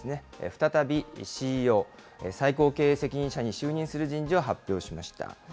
再びＣＥＯ・最高経営責任者に就任する人事を発表しました。